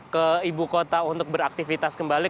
ke ibu kota untuk beraktivitas kembali